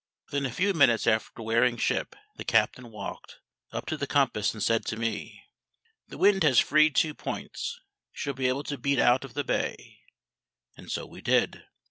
Within a few minutes after wearing ship the captain walked, up to the compass, and said to me, "The wind has freed two points; we shall be able to beat out of the bay." And so we did.